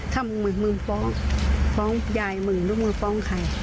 ถ้ามึงมึงฟ้องฟ้องยายมึงหรือมึงฟ้องใคร